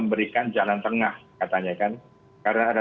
terus kalau kita lihat patronsan di mana yang ada